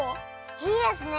いいですね！